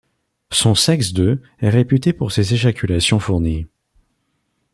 Son sexe de est réputé pour ses éjaculations fournies.